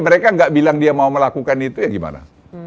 mereka nggak bilang dia mau melakukan itu ya gimana